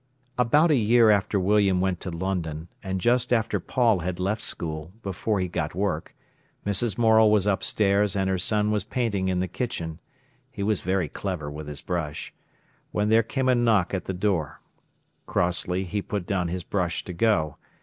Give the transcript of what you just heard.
About a year after William went to London, and just after Paul had left school, before he got work, Mrs. Morel was upstairs and her son was painting in the kitchen—he was very clever with his brush—when there came a knock at the door. Crossly he put down his brush to go.